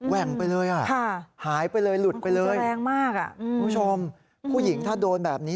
แหว่งไปเลยอ่ะหายไปเลยหลุดไปเลยคุณผู้ชมผู้หญิงถ้าโดนแบบนี้